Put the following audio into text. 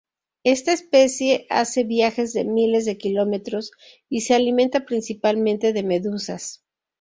Esta especie hace viajes de miles de kilómetros y se alimenta principalmente de medusas.